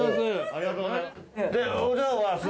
ありがとうございます。